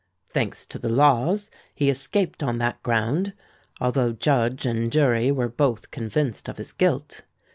Thanks to the laws, he escaped on that ground, although judge and jury were both convinced of his guilt.